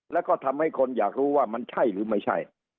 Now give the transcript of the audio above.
แล้วก็ทำให้คนอยากรู้ว่ามันใช่หรือไม่ใช่